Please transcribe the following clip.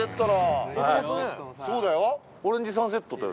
そうだよね